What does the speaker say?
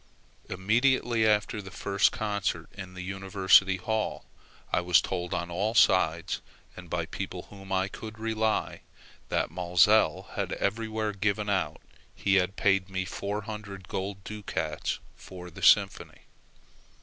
Immediately after the first concert in the University Hall, I was told on all sides, and by people on whom I could rely, that Maelzel had everywhere given out he had paid me 400 gold ducats for the Symphony.